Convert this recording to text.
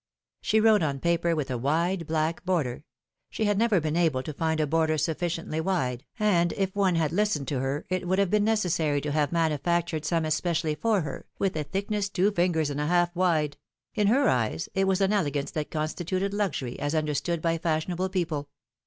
She wrote on paper with a wide, black border — she had never been able to find a border sufficiently wide, and if one had listened to her, it would have been necessary to have manufactured some especially for her, with a thick ness two fingers and a half wide; in her eyes, it was an elegance that constituted luxury, as understood by fashion able people.